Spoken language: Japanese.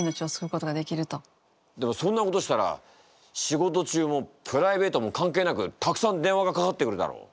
だがそんなことしたら仕事中もプライベートも関係なくたくさん電話がかかってくるだろ？